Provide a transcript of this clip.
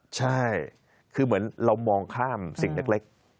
ใช่คือเหมือนเรามองข้ามสิ่งเล็ก